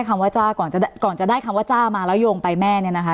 แค่ก่อนจะได้คำว่าจ้ามาแล้วยงไปแม่เนี่ย